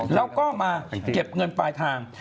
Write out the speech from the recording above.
แล้วก็มาเก็บเงินปลายทาง